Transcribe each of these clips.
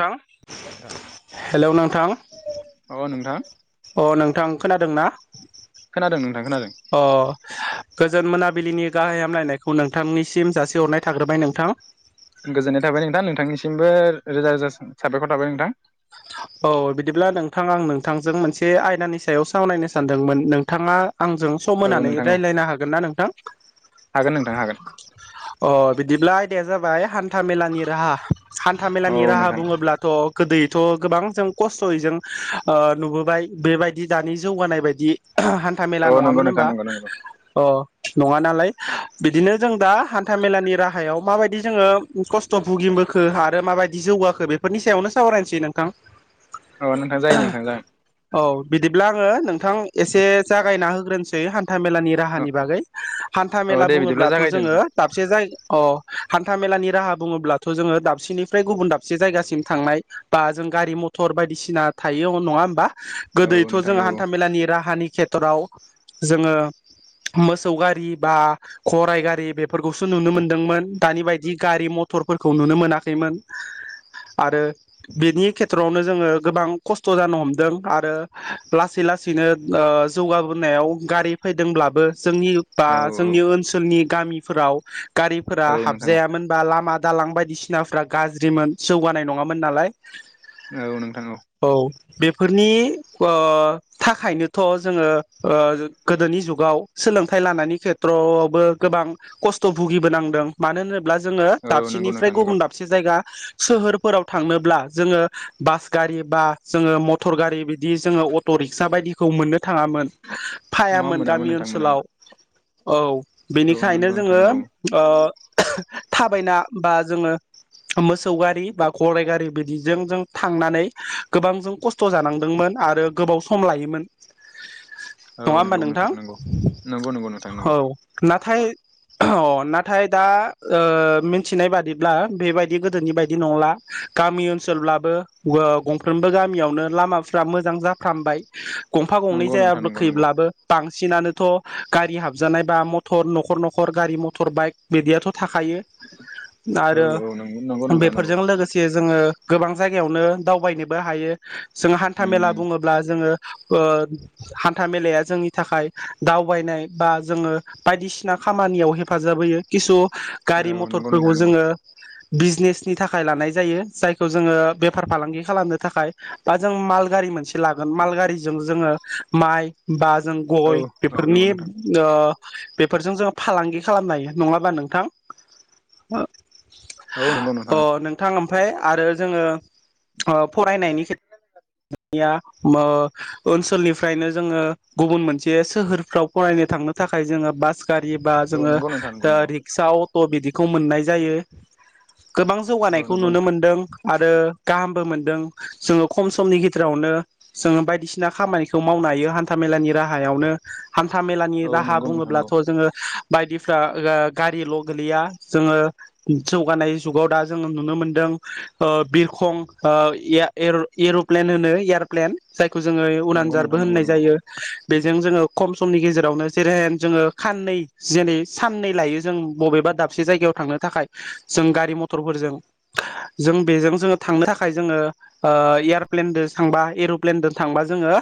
नोंथां हेल' नोंथां नोंथां नोंथां अ नोंथां खोनादों ना खोनादों नोंथां खोनादों अ गोजोन मोनाबिलिनि गाहाय हामलायनायखौ नोंथांनिसिम जासिहरनाय थाग्रोबाय नोंथां गोजोननाय थाबाय नोंथां नोंथांनिसिमबो रोजा रोजा साबायखर थाबाय नोंथां। औ बिदिब्ला नोंथां आं नोंथांजों मोनसे आयदानि सायाव सावरायनो सानदोंमोन नोंथाङा आंजों सम औ होनानै नोंथां औ रायज्लायनो हागोन ना नोंथां? हागोन नोंथां हागोन अ बिदिब्ला आयदाया जाबाय हान्था मेलानि राहा हान्था औ मेलानि राहा नोंथां बुङोब्लाथ' [inaudible] हान्था मेला औ नंगौ नङामोन नोंथां होमबा नंगौ नंगौ अ। नङा नालाय बिदिनो जों दा हान्था मेलानि राहायाव माबायदि जोङो खस्थ' भुगि बोखो आरो मााबायदि जौवाखो बेफोरनि सायावनो सावरायनोसै नोंथां। अ नोंथां जायो नोंथां जागोन ब्लाआङो नोंथां एसे जागायना होग्रोनोसै था मेलानि औ राहानि बागै हान्था औ मेला दे बिदिब्ला बुङोब्लाथ' जागायदो जोङो नोंथां दाबसे जायग अ हान्था मेलानि राहा बुङोब्लाथ' जोङो दाबसेनिफ्राय गुबुन दाबसे जायगासिम थांनाय। बा जों गारि मथर बायदिसिना थायो नङा होमबा औ गोदोयथ' नोंथां जों औ हान्था मेलानि राहानि खेथ्र'आव जोङो मोसौ गारि बा गराइ गारि बेफोरखौसो नुनो मोनदोंमोन। दानि बायदि गारि म टरफोरखौ नुनो मोनाखैमोन आरो बेनि खेथ्रआवनो जोङो गोबां खस्थ' जानो हमदों आरो लासै लासैनो ओ ओ जौगाबोनायाव गारि फैदोंब्लाबो जोंनि बा औ जोंनि ओनसोलनि गामिफोराव गारिफोरा औ नोंथां हाबजायामोन बा लामा दालां बायदिसिनाफ्रा गाज्रिमोन जौगानाय नङामोन नालाय औ नोंथां औ। बेफोरनि ओ थाखायनोथ' जोङो ओ गोदोनि जुगाव सोलोंथाइ लानायनि खेथ्रआवबो गोबां खस्थ' भुगिबोनांदों मानो होनो ब्ला जोङो औ नंगौ दसेनिफ्राय नोंथां गुब नंगौ दसे जाया सोहोराव थांनोब्ला जोङो बास गारि बा जोङो मटर गारि बिदि जोङो अट' रिक्सा बायदिखौ मोननो थाङामोन नङा फायामोन मोनामोन गामि नोंथां मोनामोन ओनसोलाव। औ औ बेनिखायनो नंगौ नोंथां जोङो। नंगौ ओ थाबायना बा जोङो मोसौ गारि बा गराय गारि बिदिजों जों थांनानै गोबां जों खस्थ' जानांदोंमोन आरो गोबाव स सम लायोमोन औ नङा होमबा नंगौ नोंथां। नंगौ नंगौ नंगौ नोंथां नंगौ औ ना थाय अ' नाथाय दा ओ मिथिनाय बादिब्ला बेबायदि गोदोनि बायदि नंला। गामि ओनसोलब्लाबो ओ गंफ्रोमबो गामियावनो लामाफ्रा मोजां जाफ्रामबाय गंफा गंनै नंगौ नोंथां नंगौ नंगौ जाब्लाखैब्लाबो बां सिनानोथ' गारि हाबजानाय बा मथर न'खर न'खर गारि मथर बाइक बिदियाथ' थाखायो औ आरो औ नंगौ नंगौ नोंथां नंगौ बेफोरजों लोगो से जोङो गोबां जायगायावनो दावबायनोबो हायो जोङो हान्था मेला उम बुङोब्ला जोङो ओ हान्था मेलाया जोंनि थाखाय दावबायनाय बा जोङो बायदिसिना खामानियाव हेफाजाब होयो किसु औ गारि नंगौ मथरफोरखौ नोंथां नंगौ जोङो बिजनेसनि थाखाय लानाय जायो जायखौ जोङो बेफार फालांग खालामनो थाखाय बा जों माल गारि मोनसे लागोन मालगारिजों जोङो माइ बा जों औ गय औ बेफोरनि नंगौ नोंथां ओ बेफोरजों जोङो फालांगि खालामनो हायो। नङा होनबा नोंथां? औ नंगौ नोंथां नंगौ। ओमफफ्राय आरो जोङो ओ फरायनायनि खेट निया मो ओनसोलनिफ्रायनो जोङो गुबुन मोनसे सोहोरफ्राव फरायनो थांनो था थाखाय जोङो बास गारि बा औ जोङो नंगौ नोंथां नंगौ नंगौ रिक्सा अट' बिदिखौ मोननाय जायो। गोबां औ जौगानायखौ नंगौ नुनो नोंथां मोनदों आरो गाहामबो मोनदों जोङो खम समनि गे जेरावनो जोङो बायदिसिना खामानिखौ मावनो हायो हान्था मेलानि राहायावनो हान्था मेलानि औ राहा नंगौ नोंथां नंगौ बुङोब्लाथ' जोङो बायदिफ्रा गारिल' गोलैया जोङो जौगानाय जुगाव दा जोङ नुनो मोनदों ओ बिरखं ओ एया एर एरप प्लेन होनो एयारप्लेन जायखौ जोङो नंगौ उरानजारबो नोंथां नंगौ होननाय जायो। बेजों जोङो खम समनि गेजेरावनो जेरै' जोङो खाननै जेनै साननै लायो जों बबेबा दाबसे जायगायाव थांनो थाखाय जों गारि मथरफोरजों जों बेजों जोङो थांनो थाखाय जों ओ आ एयार प्लेन दो थांबा ए' प्लेनदो थांबा जोङो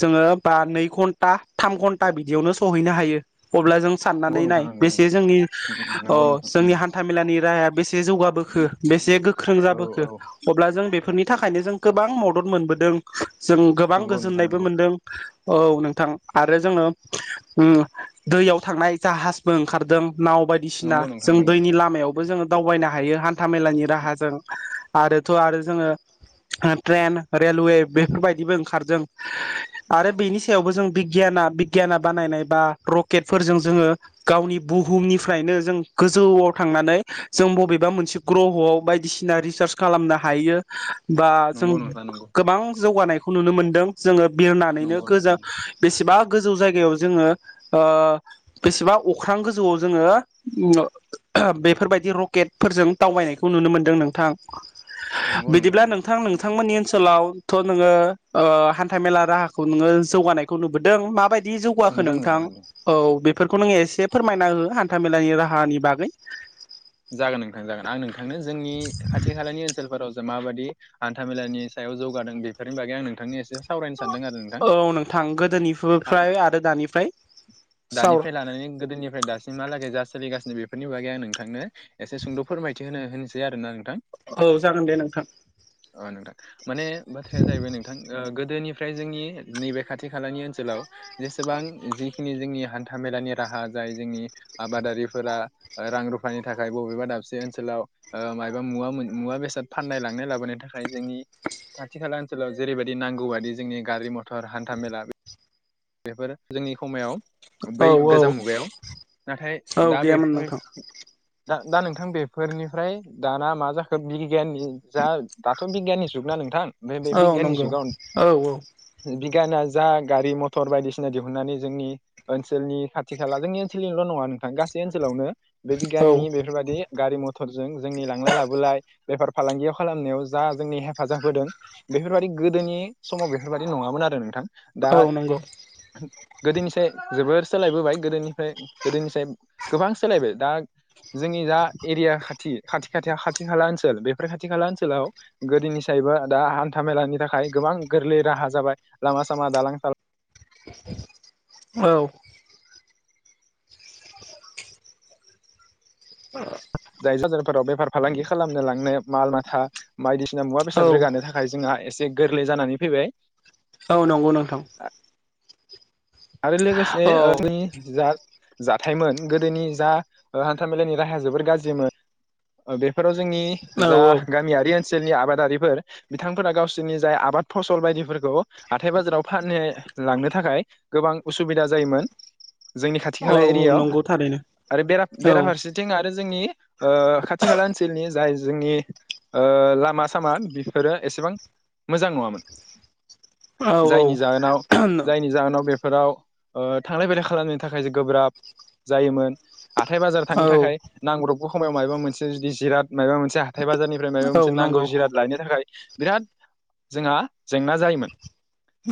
जोङो बा नै घन्टा थाम घन्टा बिदि नो सहैनो हायो। अब्ला जों साननानै नाय बेसे जोंनि अ नंगौ नंगौ नोंथां नंगौ नोंथां जोंनि हान्था मेलानि राहाया बेसे जौगाबोखो। बेसे गोख्रों औ जाबोखो औ अब्ला जों बेफोरनि थाखायनो जों गोबां मदद मोनबोदों। जों गोबां नंगौ नोंथां गोजोननायबो नंगौ मोनदों। औ नोंथां आरो जोङो उम दैयाव थांनाय जाहाजबो ओंखारदों। नाव बायदिसिना नंगौ नोंथां जों नंगौ दैनि लामायाव बो जोङो दावबायनो हायो हान्था मेलानि राहाजों आरोथ' आरो जोङो ओ ट्रेन। रेलवे बेफोरबायदिबो ओंखारदों आरो बेनि सायावबो जों बिगियाना बिगियाना बानाय नायबा रकेटफोरजों जोङो गावनि बुहुमनिफ्रायनो जों गोजौआव थांनानै जों बबेबा मोनसे ग्रह'आव बायदिसिना रिसार्च खालामनो हायो। बा जों नंगौ नोंथां नंगौ गोबां जौगानायखौ नुनो मोनदों जोङो बिरनानैनो नंगौ नंगौ गोजा बेसेबां गोजौ जायगायाव जोङो ओ बेसेबा अख्रां गोजौआव जोङो [unintelligible] बेफोरबायदि रकेटफोरजों दावबायनायखौ नुनो मोनदों नोंथां। नंगौ बिदिब्ला नंगौ नोंथां नोंथांमोननि ओन नसोलावथ' नोङो ओ हान्था मेला राहाखौ नोङो जौगानायखौ नुबोदों माबाय दि जौगाखो नोंदों नोंथां नोंदों औ बे फोरखौ नोङो एसे फोरमायना हो हान्थाामेलानि राहानि बागै जागोन नोंथां जागोन आं नोंथांनो जोंनि खाथि खालानि ओनसोलफोराव माबादि हान्था मेलानि सायाव जौगादों बेफोरनि बागै आं नोंथांनि एसे सावरायनो सानदों आरो नोंथां औ नोंथां गोदोनिफोफ्राय आरो दानिफ्राय साव दानिफ्राय लानानै गोदोनिफ्राय दासिम मालागै जास सोलिगासिनो बेफोरनि बागै आं नोंथांनो एसे सुंद' फोरमायथि होनो होनोसै आरो नों। औ जागोन दे नोंथां। अ नोंथां माने बाथ्राया जाहैबाय नोंथां ओ गोदोनिफ्राय जोंनि नैबे खाथि खालानि ओनसोलाव जेसेबां जि खिनि जोंनि हान्था मेलानि राहा जाय जोंनि आबादारिफोरा रां रुफानि थाखाय बबेबा दाबसे ओनसोलाव ओ मायबा मुवा मोन मुवा बेसाद फाननाय लांनाय लाबोनो थाखाय जोंनि खाथि खाला ओनसोलाव जेरैबायदि नांगौ बादि जोंनि गारि मथर हान्था मेला। बेफोर जोंनि हमायाव औ बै औ गोजाम मुगायाव नाथाय औ दा गैयामोन बेफोर नोंथां दा दा नोंथां बेफोरनिफ्राय दाना मा जाखो बिगियाननि जा दाथ' बिगियाननि जुग ना नोंथां। बे बे औ बिगियाननि नंगौ जुगाव बिग औ बिगियाना जा गारि मथर बायदिसिना दिहुननानै जोंनि ओनसोलनि खाथि खाला जोंनि ओनसोलनिल' नङा नोंथां गासै ओनसोलावनो बे औ बिगियाननि बेफोरबाददि गारि मथरजों जोंनि लांलाय लाबोलाय बेफार फालांगियाव खालामनायाव जा जोंनि हेफाजाब होदों बेफोरबायदि गोदोनि समाव बेफोरबायदि नङामोन आरो नोंथां। दा औ नंगौ गोदोनिसे जोबोर सोलायबोबाय गोदोनिफ्राय गोदोनिसाय गोबां सोलायबाय दा जोंनि जा एरिया खाथि खाथि खाथि खाथि खाला ओनसोल बेफोर खाथि खाला ओनसोलाव गोदोनि नि सायबा दा हान्था मेलानि थाखाय गोबां गोरलै राहा जाबाय लामा सामा दालां सालां औ। [unintelligible] जाय ज जारफोराव बेफार फालांगि खालामनो लांनो माल माथा बायदिसि सिना मुवा औ बेसाद रोगानो थाखाय जोंहा एसे गोरलै जानानै फैबाय। औ नंगौ नोंथां। आरो लोगोसे औ ओ [unintelligible] जा जाथायमोन गोदोनि जा ओ हान्था मेलानि राहाया जोबोर गाज्रिमोन ओ बेफोर थ' जोंनि औ जा गामियारि ओन सोलनि आबादारिफोर बिथांफोरा गावसोरनि जाय आबाद फसल बायदिफोरखौ हाथाइ बाजाराव फाननो लांनो थाखाय गोबां उसुबिदा जायोमोन जोंनि खाथि औ खाला एरियायाव नंगौ थारैनो आरो औ बेरा-बेराफारसेथिं आरो जोंनि ओ खाथि खाला ओनसोलनि जाय जोंनि ओ लामा सामा बेफोरो एसेबां मोजां नङामोन। औ जायनि जाहोनाव जायनि जाहोनाव बे फोराव ओ थांलाय फैलाय खालामनो थाखाय गोब्राब जायोमोन। हाथाय बाजार थांनो थाखाय औ नांब्रबगौ समायाव माबा मोनसे जुदि जिराद मायाबा मोनसे हाथथाय बाजारनिफ्राय माबा औ मोनसे नांगौ नंगौ जिराद लायनो थाखाय बिराद जोंहा जेंना जायोमोन।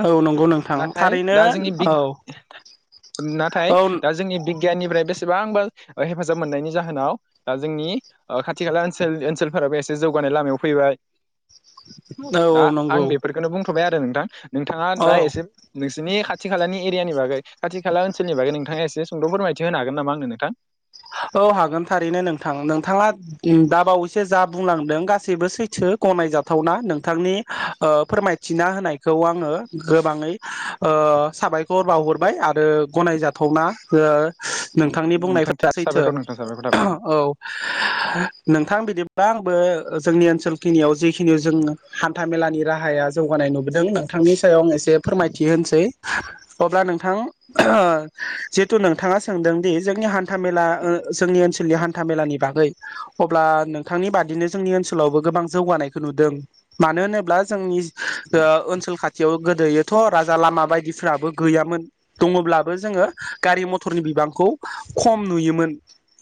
औ नंगौ नोंथां नाथाय थारैनो दा जोंनि बिगियान औ नाथाय दा औ जोंनि बिगियाननिफ्राय बेसे बांबा ओ हेफाजाब मोननायनि जाहोनाव दा जोंनि ओ खाथि खाला ओ ओनसोलफोराबो एसे जौगा नाय लामायाव फैबाय। औ दा आं नंगौ बेफोरखौनो बुं थ'बाय आरो नोंथां नोंथाङा औ दा एसे नोंसिनि खा थि खालानि एरियानि बागै खाथि खाला ओनसोलनि बागै नोंथाङा एसे सुंद' फोरमायथि होनो हागोन नामा आंनो नोंथां? औ हागोन थारैनो नोंथां नोंथाङा दा बावैसो जा बुंलांदों गासैबो सैथो। गनायजाथावना नोंथांनि ओ फोरमायथिना होनायखौ आङो गोबाङै ओ ओ साबायखर बावहरबाय आरो गनायजाथावना ओ नोंथांनि बुंनायफो नोंथां सैथो साबायखर नोंथां साबायखर थाबाय नोंथां औ। नोंथां बिदिब्ला आंबो जोंनि ओनसोल खिनियाव जिखिनि जों हान्था मेलानि राहाया जौगानाय नुबोदों नोंथांनि सायाव आं एसे फोरमायथि होनोसै अब्ला नोंथां ओ जिहेतु नोंथाङा सोंदोंदि जोंनि हा न्था मेला ओ जोंनि ओनसोलनि हान्था मेलानि बागै अब्ला नोंथांनि बादिनो जोंनि ओनसोलावबो गोबां जौगानायखौ नुदों। मानो होनोब्ला जोंनि ओनसोल खाथियाव गोदोथ' राजा लामा बायदिफ्राबो गैयामोन दङब्लाबो जोङो गारि मथरनि बिबांखौ खम नुयोमोन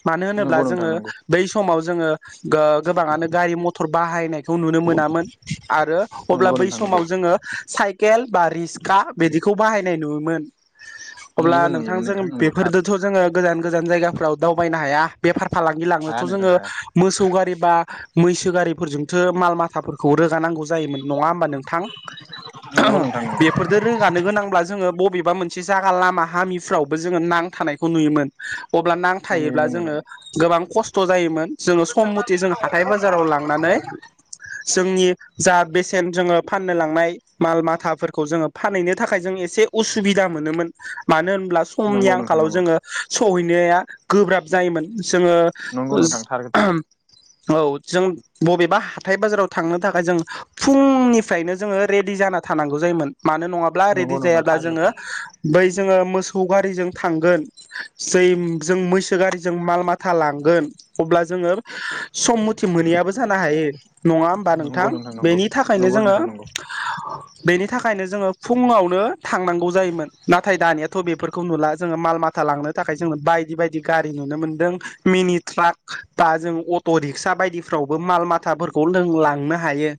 मानो होनोब्ला नंगौ नोंथां जोङो नंगौ बै समाव जोङो ओ गोबाङानो गारि मथर बाहायनायखौ नुनो मोनामोन आरो अब्ला नंगौ बै नोंथां नंगौ समाव जोङो साइकेल बा रिस्का बिदिखौ बाहायनाय नुयोमोन। अब्ला नुयोमोन नुयोमोन नोंथांजों नोंथां नंगौ थार बेफोरदोथ' जोङो गोजान गोजान जायगाफोराव दावबायनो हाया बेफार फालांगि हाया लांनोथ' नोंथां जोङो हाया मोसौ गारि बा मैसो गारिजोंसो माल माथाफोरखौ रो गानांगौ जायोमोन नङा होमब्ला नोंथां? नंगौ नोंथां नंगौ बेफोरजों रोगानांगौ जायोब्ला बबे बा मोनसे जायागा लामा हामिफ्रावबो जोङो नांथा नायखौ नुयोमोन अब्ला औ नांथायायोब्ला नुयोमोन नोंथां जोङो गोबां खस्थ' जायोमोन। जोङो सम मथे जो हाथाय बाजाराव लांनानै जोंनि जा बेसेन जोङो फाननो लांनाय माल माथाफोरखौ जोङो फानहैनो थाखाय जों एसे असुबिदा मोनोमोन। मानो होन ब्ला समनि नंगौ नोंथां आंखालाव नंगौ जोङो सहैनाया गोब्राब जायोमोन। जोङो नंगौ नोंथां थार खोथा ओ औ जों बबेबा हाथाय बाजाराव थांनो थाखाय जों फुंनिफ्रायनो जोङो रेडि जाना थानांगौ जायोमोन। मानो नङाब्ला रेडि नंगौ नोंथां जायाब्ला थार जोङो खोथा बै जोङो मोसौ गारिजों थांगोन जै जों मैसो गारिजों माल माथा लांगोन अब्ला जोङो सम मथे मोनैयाबो जानो हायो नङा होमबा नंगौ नोंथां नंगौ बेनि थाखायनो नंगौ जोङो नोंथां नंगौ [inaudible] बेनि थाखायनो जोङो फुङावनो थांनांगौ जायोमोन नाथाय दानियाथ' बेफोरखौ नुला जोङो माल माथा लांनो थाखाय जोङो बायदि बायदि गारि नुनो मोनदों मिनि ट्राक बा जों अट' रिक्सा बायदिफ्राव बो माल माथाफोरखौ जों लांनो हायो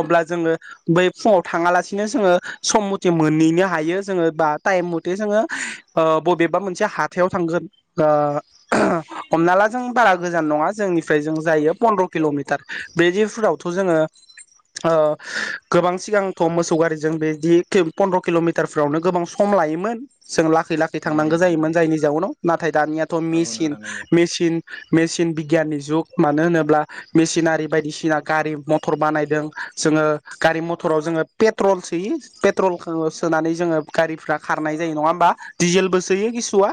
अब्ला जोङो बै फुङाव थाङालासिनो जोङो सम मथे मोनहैनो हायो जोङो बा टाइम मथे जोङो ओ बबेबा मोनसे हा थायाव थांगोन ओ हमना ला जों बारा गोजान नङा जोंनिफ्राय जों जायो फन्द्र किलमिटार बेदिफोरावथ जोङो ओ गोबां सिगांथ मोसौ गारिजों बिदि किम पन्द्र किलमिटारफ्रावनो गोबां सम लायोमोन जों लाख खै लाखै नंगौ थांनांगौ नोंथां नंगौ जोयोमोन जायनि जाउनाव नाथाय दानियाथ औ मेसिन नोंथां नंगौ मेसिन मेसिन भि गियाननि जुग मानो होनोब्ला मेसिनारि बायदिसिना गारि मथर बानायदों जोङो गा रि मथराव जोङो पेट्रल सोयो पेट्रल सोनानै जोङो गारिफ्रा खारनाय जायो नङा होमबा? दिडिजेलबो सोयो किसुआ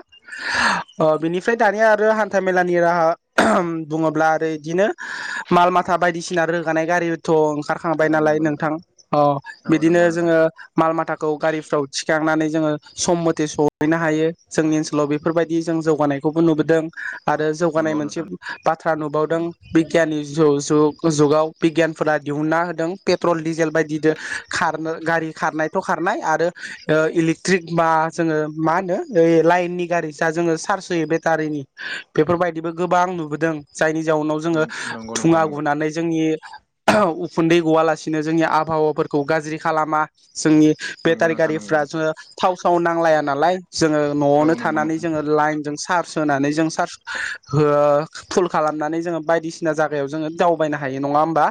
अ बिनिफ्राय दानिया आरो हान्था मेलानि राहा बुङोब्ला आरो इदिनो माल माथा बायदिसिना रोगानाय गारि थ औ ओंखारखांबाय नालाय नंगौ नोंथां अ औ बिदिनो नंगौ नोंथां जोङो माल माथाखौ गारिफ्राव थिखांनानै जोङो सम मथे सहैनो हायो जोंनि ओनसोलाव बेफोरबायदि जों जौगानायखौबो नुबोदों आरो जौगानाय नंगौ मोनसे नोंथां बाथ्रा नुबावदों बिगियाननि ज-जुग-जुगाव बिगियानफोरा दिहुनना होदों पेट्रल दिजेल बायदिजों खारनो गारि खारनायथ खारनाय आरो इलिकत्रिक बा जोङो मा होनो लायेननि गारि सा जोङो चार्ज होयो बेटारिनि बेफोरबायदिबो गोबां नुबोदों जायनि जाउनाव जोङो नंगौ नोंथां थुङा नंगौ गुनानै जोंनि उखुन्दै गवालासिनो जोंनि आबहावाफोरखौ गाज्रि खालामा जोंनि नंगौ बेटारि नोंथां नंगौ गारिफ्रा नोंथां थाव साव नांलाया नालाय जोङो औ नआवनो नंगौ थानानै नोंथां जोङो लाइनजों सार्ज होनानै जों सार्स हो फुल खालामनानै जोङो बायदिसिना जागायाव जोङो दावबायनो हायो नङा होमबा?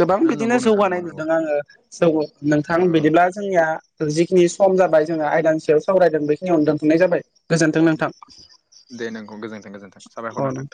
गोबां बिदिनो नंगौ नोंथां जौगानाय नंगौ नंगौ नुदों आङो जोबोत नोंथां औ बिदिब्ला जोंनिया जिखिनि सम जाबाय जोङो आयदानि सायाव सावरायदों बेखिनियावनो दोनथनाय जाबाय गोजोनथों नोंथां दे नोंगौ गोजोनथों गोजोन्थों साबायखर अ नोंथां